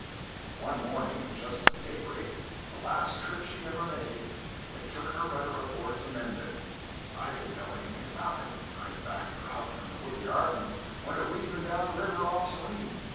One morning, just at daybreak, the last trip she ever made, they took her rudder aboard to mend it; I didn't know anything about it; I backed her out from the wood yard and went a weaving down the river all serene.